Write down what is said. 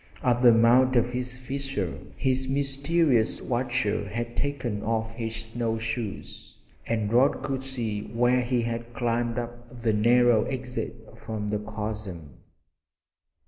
At the mouth of this fissure his mysterious watcher had taken off his snow shoes and Rod could see where he had climbed up the narrow exit from the chasm.